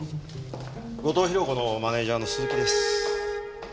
後藤宏子のマネジャーの鈴木です。